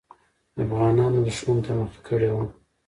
افغانان دښمن ته مخه کړې وه.